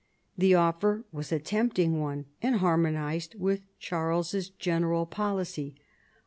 The offer Avas a tempting one and harmonized with Charles's general policy.